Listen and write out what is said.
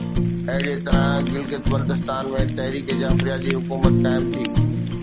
اهڙي طرح گلگت بلتستان ۾ تحريڪ جعفريه جي حڪومت قائم ٿي